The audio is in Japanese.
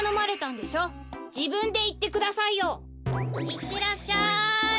いってらっしゃい！